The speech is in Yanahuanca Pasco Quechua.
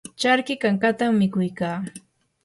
charki kankatam mikuy kaa.